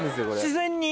自然に？